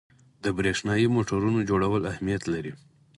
د برېښنايي موټورونو جوړول اهمیت لري.